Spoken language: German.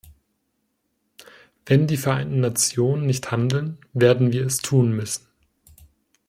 Wenn die Vereinten Nationen nicht handeln, werden wir es tun müssen.